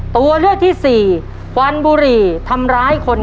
ตัวเลือกที่สี่ควันบุหรี่ทำร้ายคน